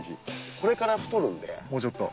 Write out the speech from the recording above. これから太るんでもうちょっと。